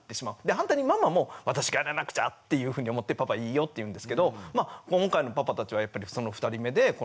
反対にママも私がやらなくちゃっていうふうに思ってパパいいよって言うんですけど今回のパパたちはやっぱりその２人目で育児の大変さ